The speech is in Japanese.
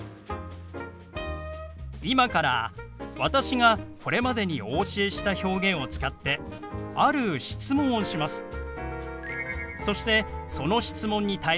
今から私がこれまでにお教えした表現を使ってある質問をします。